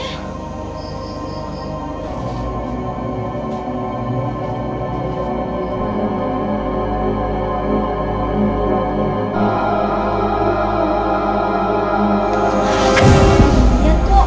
tadi aku ngeliat kok